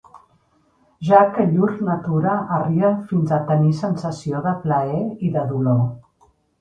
Ja que llur natura arriba fins a tenir sensació de plaer i de dolor.